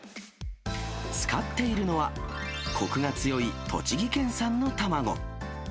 使っているのは、こくが強い栃木県産の卵。